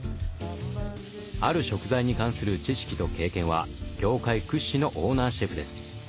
ある食材に関する知識と経験は業界屈指のオーナーシェフです。